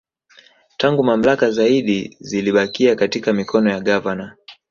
Tangu mamlaka zaidi zilibakia katika mikono ya Gavana